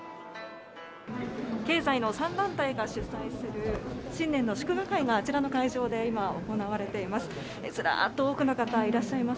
経済の３団体が主催する新年の祝賀会があちらの会場で行われています。